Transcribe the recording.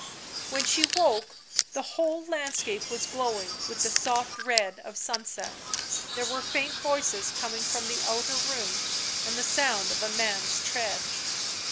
When she woke the whole landscape was glowing with the soft red of sunset. There were faint voices coming from the outer room, and the sound of a man's tread.